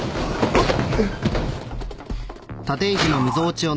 あっ。